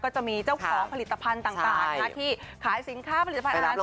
จะมีเจ้าของผลิตภัณฑ์ต่างที่ขายสินค้าผลิตภัณฑ์